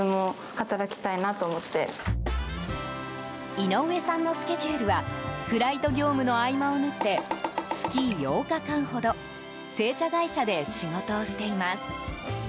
井上さんのスケジュールはフライト業務の合間を縫って月８日間ほど製茶会社で仕事をしています。